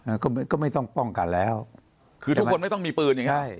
ก็ไม่ก็ไม่ต้องป้องกันแล้วคือทุกคนไม่ต้องมีปืนอย่างเงี้ใช่